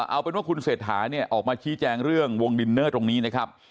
เอาเป็นว่าคุณเศรษฐาเนี่ยออกมาชี้แจงเรื่องวงดินเนอร์ตรงนี้นะครับ